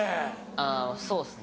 あぁそうっすね。